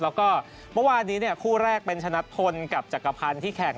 แล้วก็เมื่อวานนี้คู่แรกเป็นชนะทนกับจักรพันธ์ที่แข่ง